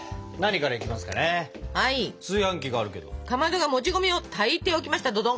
かまどがもち米を炊いておきましたどどん！